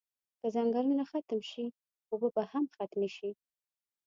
که ځنګلونه ختم شی اوبه به هم ختمی شی